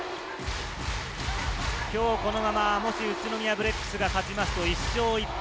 今日このまま宇都宮ブレックスが勝ちますと１勝１敗。